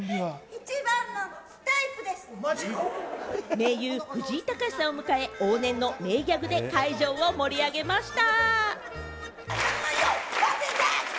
盟友・藤井隆さんを迎え、往年の名ギャグで会場を盛り上げました！